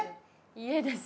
家です。